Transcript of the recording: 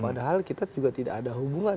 padahal kita juga tidak ada hubungan